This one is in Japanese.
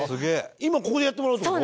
今ここでやってもらうって事？